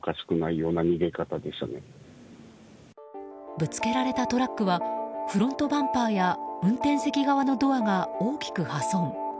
ぶつけられたトラックはフロントバンパーや運転席側のドアが大きく破損。